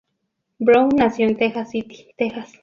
Brown nació en Texas City, Texas.